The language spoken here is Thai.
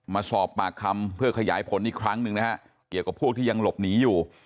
มาสอบปากคำเพื่อขยายผลอีกครั้งหนึ่งนะฮะเกี่ยวกับพวกที่ยังหลบหนีอยู่